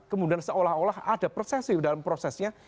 kemudian seolah olah ada prosesnya